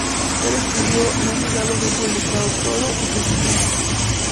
El estudio no llegó a ser publicado todo y su existencia.